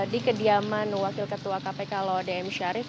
di kediaman wakil ketua kpk laudie m sharif